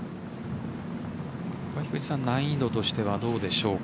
難易度としてはどうでしょうか？